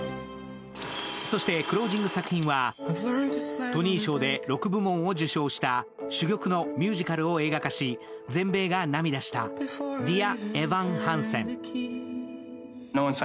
そしてクロージング作品は、トニー賞で６部門を受賞した珠玉のミューカルを映画化し、全米が涙した「ディア・エヴァン・ハンセン」。